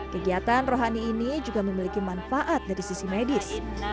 kegiatan rohani ini juga memiliki manfaat dari sisi medis